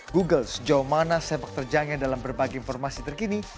google sejauh mana sepak terjangnya dalam berbagai informasi terkini